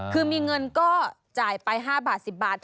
คือมีเงินก็จ่ายไป๕บาท๑๐บาท